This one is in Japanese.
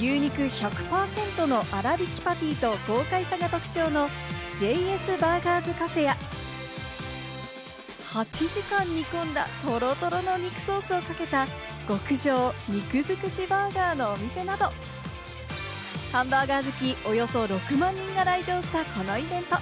牛肉１００％のあらびきパティと豪快さが特徴のＪ．Ｓ．ＢＵＧＥＲＳＣＡＦＥや、８時間煮込んだトロトロの肉ソースをかけた極上肉づくしバーガーのお店など、ハンバーガー好き、およそ６万人が来場したこのイベント。